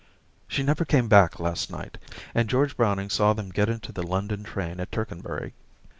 ...* She never came back last night, and George Browning saw them get into the London train at Tercanbury.